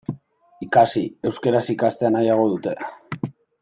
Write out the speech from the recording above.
Ikasi, euskaraz ikastea nahiago dute.